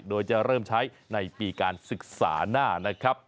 โดยจะเริ่มใช้ในปีการศึกษาหน้านะครับ